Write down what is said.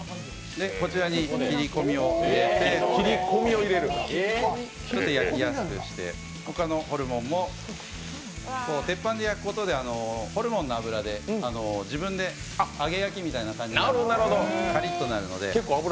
こちらに切り込みを入れてちょっと焼きやすくして、他のホルモンも鉄板で焼くことでホルモンの脂で自分で揚げ焼きみたいにカリッとなるので。